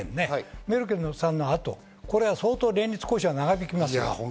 メルケルさんの後、相当、連立交渉が長引きますよ。